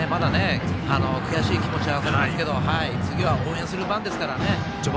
悔しい気持ちは分かりますけど次は応援する番ですからね。